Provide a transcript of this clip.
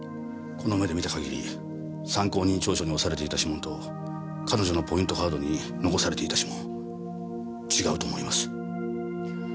この目で見た限り参考人調書に押されていた指紋と彼女のポイントカードに残されていた指紋違うと思います。